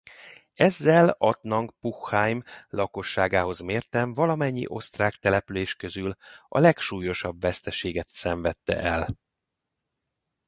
Ezzel Attnang-Puchheim lakosságához mérten valamennyi osztrák település közül a legsúlyosabb veszteséget szenvedte el.